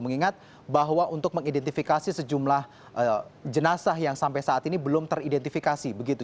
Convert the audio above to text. mengingat bahwa untuk mengidentifikasi sejumlah jenazah yang sampai saat ini belum teridentifikasi begitu